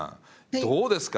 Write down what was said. どうですか？